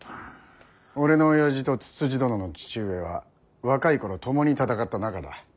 俺のおやじとつつじ殿の父上は若い頃共に戦った仲だ。